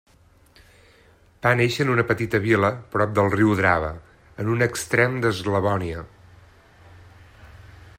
Va néixer en una petita vila prop del riu Drava, en un extrem d'Eslavònia.